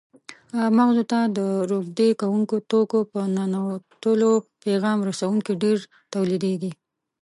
مغزو ته د روږدي کوونکو توکو په ننوتلو پیغام رسوونکي ډېر تولیدېږي.